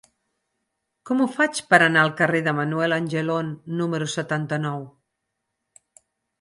Com ho faig per anar al carrer de Manuel Angelon número setanta-nou?